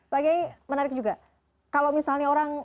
laganya menarik juga kalau misalnya orang